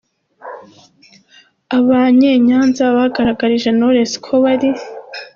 Abanye Nyanza bagaragarije Knowless ko bari.